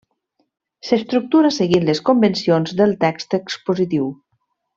S'estructura seguint les convencions del text expositiu.